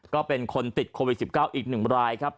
ก็เป็นคนติดโควิด๑๙อีก๑รายครับ